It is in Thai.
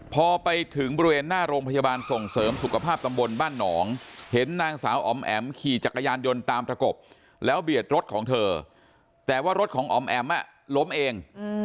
พอไปถึงบริเวณหน้าโรงพยาบาลส่งเสริมสุขภาพตำบลบ้านหนองเห็นนางสาวอ๋อมแอ๋มขี่จักรยานยนต์ตามประกบแล้วเบียดรถของเธอแต่ว่ารถของอ๋อมแอ๋มล้มเอง